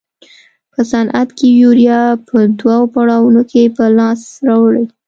په صنعت کې یوریا په دوو پړاوونو کې په لاس راوړي.